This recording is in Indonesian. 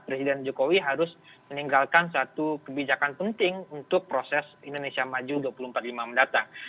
presiden jokowi harus meninggalkan satu kebijakan penting untuk proses indonesia maju dua ribu empat puluh lima mendatang